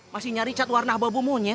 mas gun nyari cat warna abu abu monyet